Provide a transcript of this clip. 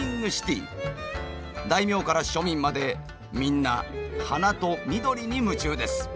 大名から庶民までみんな花と緑に夢中です。